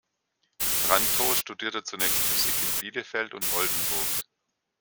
Trantow studierte zunächst Physik in Bielefeld und Oldenburg.